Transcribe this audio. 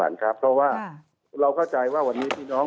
เรียกรู้สึกว่าตอนนี้กระทรวงการคลังคุยกันอยู่ที่นี้